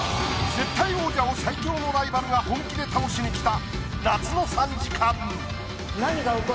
絶対王者を最強のライバルが本気で倒しに来た夏の３時間。